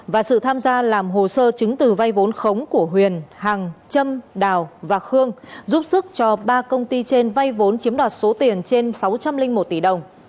và sự tham gia làm hồ sơ chứng từ vay vốn khống của huyền hằng trâm đào và khương giúp sức cho ba công ty trên vay vốn chiếm đoạt số tiền trên sáu trăm linh một tỷ đồng